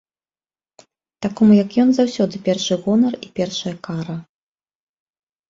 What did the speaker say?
Такому, як ён, заўсёды першы гонар і першая кара.